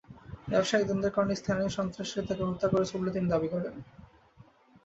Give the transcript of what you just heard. ব্যবসায়িক দ্বন্দ্বের কারণে স্থানীয় সন্ত্রাসীরা তাঁকে হত্যা করেছে বলে তিনি দাবি করেন।